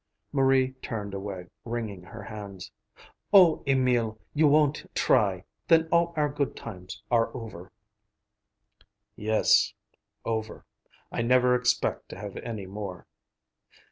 Marie turned away, wringing her hands. "Oh, Emil, you won't try! Then all our good times are over." "Yes; over. I never expect to have any more."